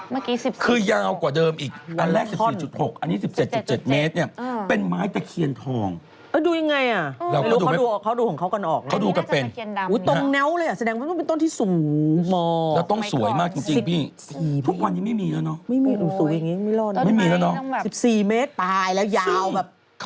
เมื่อกี้๑๔๖เมตรวันท่อนคือยาวกว่าเดิมอีก